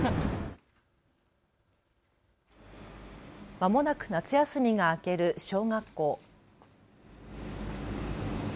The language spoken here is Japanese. まもなく夏休みが明ける小学校。